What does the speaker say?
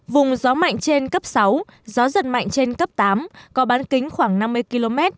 vùng gió mạnh trên cấp sáu gió giật mạnh trên cấp tám có bán kính khoảng năm mươi km